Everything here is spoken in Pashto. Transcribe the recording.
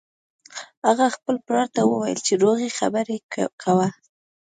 هغه خپل پلار ته وویل چې روغې خبرې کوه